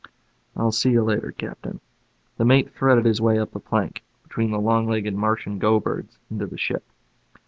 "I'll see you later, Captain." The mate threaded his way up the plank, between the long legged Martian go birds, into the ship.